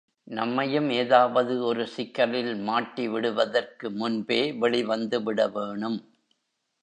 நம்மையும் ஏதாவது ஒரு சிக்கலில் மாட்டி விடுவதற்கு முன்பே வெளிவந்து விட வேணும்.